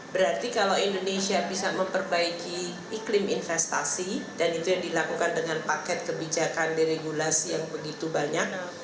berarti kalau indonesia bisa memperbaiki iklim investasi dan itu yang dilakukan dengan paket kebijakan deregulasi yang begitu banyak